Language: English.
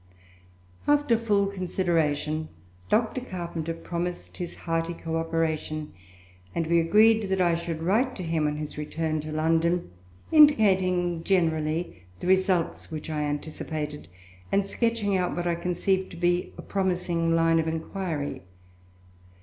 After full consideration, Dr. Carpenter promised his hearty co operation, and we agreed that I should write to him on his return to London, indicating generally the results which I anticipated, and sketching out what I conceived to be a promising line of inquiry.